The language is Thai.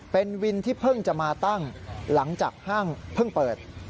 เป็นวินที่เพิ่งจะมาตั้งหลังจากห้างเพิ่งเปิด